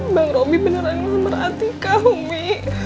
bang romi beneran gak merhati kak umi